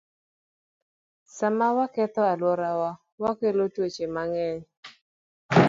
Sama waketho alworawa, wakelo tuoche mang'eny.